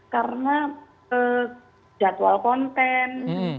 karena jadwal konten